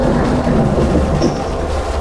মনে হচ্ছে তোমার সখীর মেজাজ গরম রয়েছে।